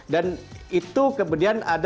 dan itu kemudian ada